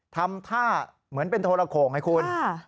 ทำท่าเหมือนเป็นโทรโข่งไงคุณ